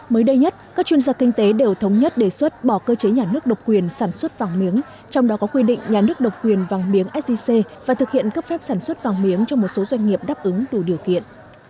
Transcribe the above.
mới đây nhất các chuyên gia kinh tế đều thống nhất đề xuất bỏ cơ chế nhà nước độc quyền sản xuất vàng miếng trong đó có quy định nhà nước độc quyền vàng miếng sgc và thực hiện cấp phép sản xuất vàng miếng cho một số doanh nghiệp đáp ứng đủ điều kiện